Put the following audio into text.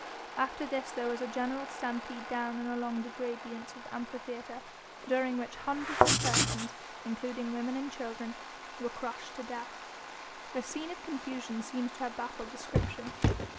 After this there was a general stampede down and along the gradients of the Amphitheatre, during which hundreds of persons including women and children were crushed to death. The scene of confusion seems to have baffled description.